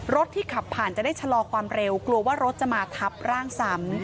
รถที่ขับผ่านจะได้ชะลอความเร็วกลัวว่ารถจะมาทับร่างซ้ำ